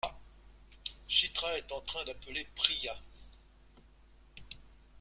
Chitra est en train d’appeler Priya ?